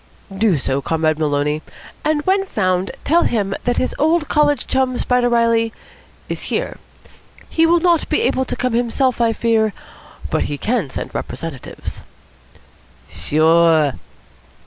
"Do so, Comrade Maloney. And when found, tell him that his old college chum, Spider Reilly, is here. He will not be able to come himself, I fear, but he can send representatives." "Sure."